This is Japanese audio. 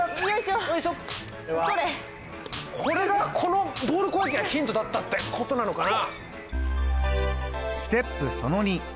これがこのボール攻撃がヒントだったってことなのかな？